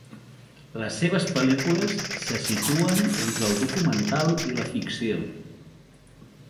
Les seves pel·lícules se situen entre el documental i la ficció.